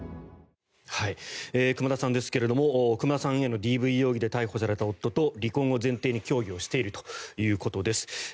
熊田さんですが熊田さんへのＤＶ容疑で逮捕された夫と離婚を前提に協議をしているということです。